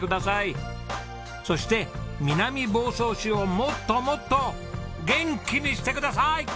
そして南房総市をもっともっと元気にしてください！